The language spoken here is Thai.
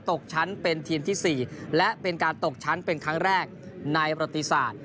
ตกชั้นเป็นทีมที่๔และเป็นการตกชั้นเป็นครั้งแรกในประติศาสตร์